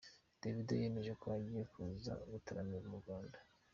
Davido yemeje ko agiye kuza gutaramira mu Rwanda.